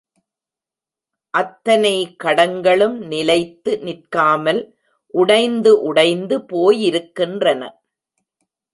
அத்தனை கடங்களும் நிலைத்து நிற்காமல் உடைந்து உடைந்து போயிருக்கின்றன.